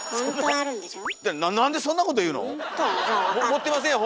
持ってませんよ